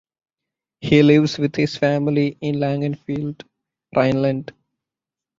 He lives with his family in Langenfeld (Rhineland).